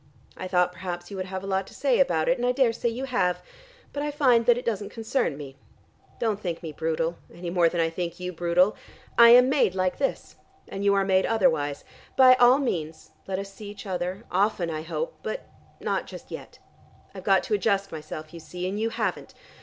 I thought perhaps you would have a lot to say about it, and I daresay you have, but I find that it doesn't concern me. Don't think me brutal, any more than I think you brutal. I am made like this, and you are made otherwise. By all means, let us see each other, often I hope, but not just yet. I've got to adjust myself, you see, and you haven't.